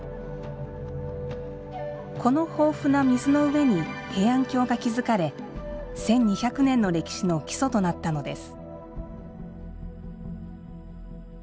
この豊富な水の上に平安京が築かれ１２００年の歴史の基礎となったのです。